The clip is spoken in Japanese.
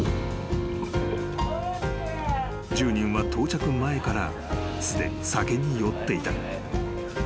［１０人は到着前からすでに酒に酔っていた］